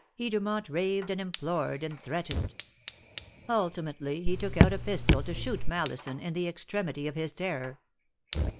Edermont raved and implored and threatened. Ultimately he took out a pistol to shoot Mallison, in the extremity of his terror.